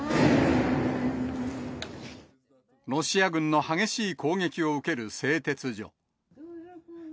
ロシア軍の激しい攻撃を受ける製鉄所。